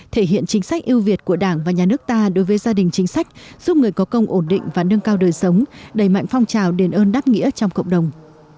thể hiện chính sách yêu việt của đảng và nhà nước ta đối với gia đình chính sách giúp người có công ổn định và nâng cao đời sống đẩy mạnh phong trào đền ơn đáp nghĩa trong cộng đồng